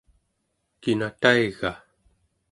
kina taiga?